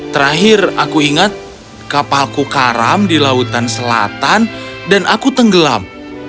terakhir aku ingat kapalku karam di lautan selatan dan aku tenggelam